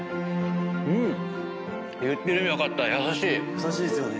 優しいですよね。